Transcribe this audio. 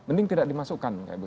mending tidak dimasukkan